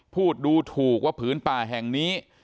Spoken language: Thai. พูดดูถูกว่าผืนป่าแห่งนี้